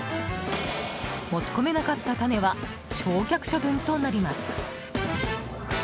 持ち込めなかった種は焼却処分となります。